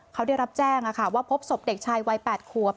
เขาได้รับแจ้งว่าพบศพเด็กชายวัย๘ขวบ